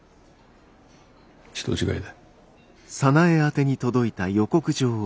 人違いだ。